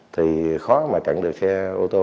thì khó mà trận được xe ô tô